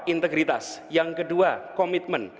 integritas yang kedua komitmen